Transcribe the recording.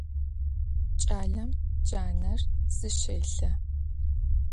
Ç'alem caner zışêlhe.